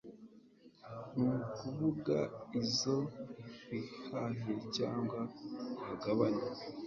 ni ukuvuga izo bihahiye cyangwa bagabanye